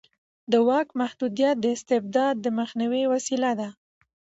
د واک محدودیت د استبداد د مخنیوي وسیله ده